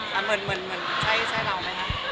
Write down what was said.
เหมือนใช่เราไหมคะ